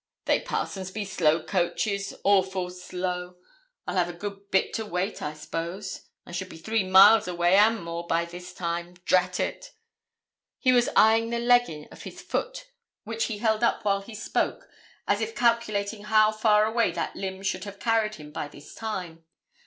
'They parsons be slow coaches awful slow. I'll have a good bit to wait, I s'pose. I should be three miles away and more by this time drat it!' He was eyeing the legging of the foot which he held up while he spoke, as if calculating how far away that limb should have carried him by this time.